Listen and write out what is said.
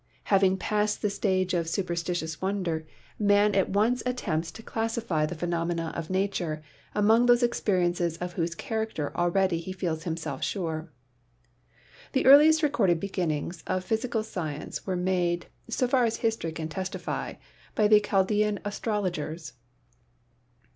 Having passed the stage of superstitious wonder, man at once attempts to classify the phenomena of nature among those experiences of whose character already he feels himself sure. The earliest recorded beginnings of physical science were made, so far as history can testify, by the Chaldean astrologers.